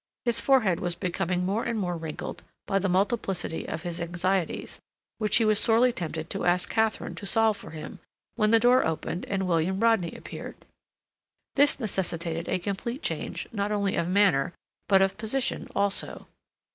His forehead was becoming more and more wrinkled by the multiplicity of his anxieties, which he was sorely tempted to ask Katharine to solve for him, when the door opened and William Rodney appeared. This necessitated a complete change, not only of manner, but of position also.